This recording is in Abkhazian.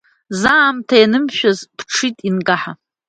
Заамҭа ианымшәаз ԥҽит ианкаҳа…